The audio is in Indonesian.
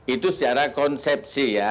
itu secara konsepsi ya